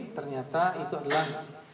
ternyata itu adalah